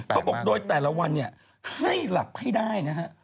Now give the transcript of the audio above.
เขาบอกโดยแต่ละวันเนี่ยให้หลับให้ได้นะฮะ